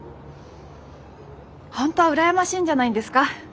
本当は羨ましいんじゃないんですか？